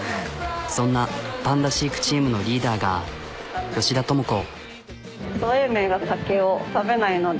そんなパンダ飼育チームのリーダーが吉田倫子。